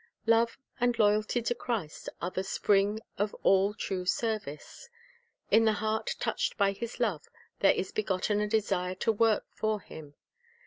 '. Love and loyalty to Christ arc the spring of all true service. In the heart touched by His love, there is begotten a desire to work for Him.